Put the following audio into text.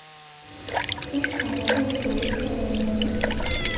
ქვის ხანა და უძველესი ადამიანები